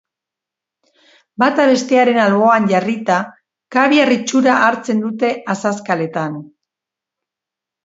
Bata bestearen alboan jarrita, kabiar itxura hartzen dute azazkaletan.